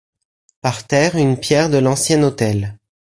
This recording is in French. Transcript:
Par terre une pierre de l'ancien autel.